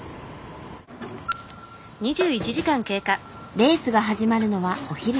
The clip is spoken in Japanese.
レースが始まるのはお昼から。